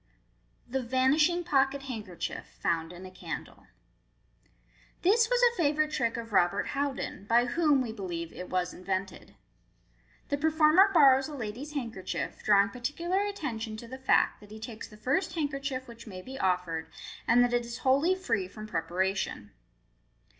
Thb Vanishing Pocket Handkerchief, found in a Candle. —This was a favourite trick of Robert Houdin, by whom, we believe, it was invented. The performer borrows a lady's handker chief, drawing particular attention to the fact that he takes the first handkerchief which may be offered, and that it is wholly free from preparation.